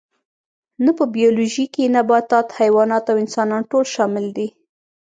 نه په بیولوژي کې نباتات حیوانات او انسانان ټول شامل دي